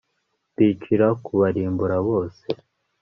mbicira kubarimbura bose